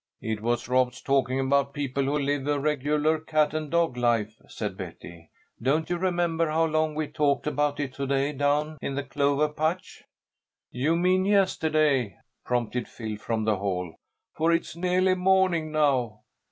"It was Rob's talking about people who live a regular cat and dog life," said Betty. "Don't you remember how long we talked about it to day down in the clover patch?" "You mean yesterday," prompted Phil from the hall, "for it's nearly morning now.